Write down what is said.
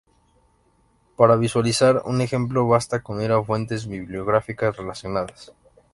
Para visualizar un ejemplo basta con ir a fuentes bibliográficas relacionadas.